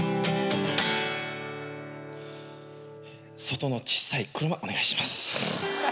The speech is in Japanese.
外のちっさい車お願いします。